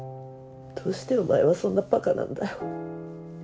どうしてお前はそんなばかなんだよ。